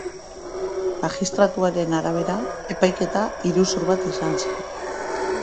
Magistratuaren arabera, epaiketa iruzur bat izan zen.